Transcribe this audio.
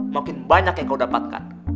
makin banyak yang kau dapatkan